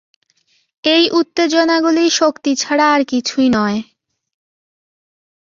এই উত্তেজনাগুলি শক্তি ছাড়া আর কিছুই নয়।